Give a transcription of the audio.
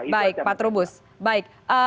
baik pak trubus baik